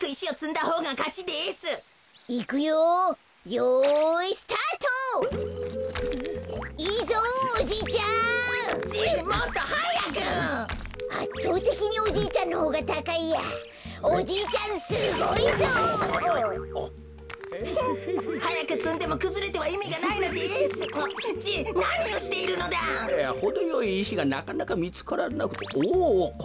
ほどよいいしがなかなかみつからなく。